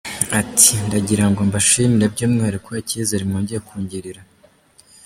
Ati “Ndagira ngo mbashimire by’umwihariko, icyizere mwongeye kungirira.